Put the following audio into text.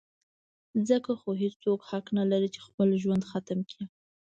ځکه خو هېڅوک حق نه لري چې خپل ژوند ختم کي.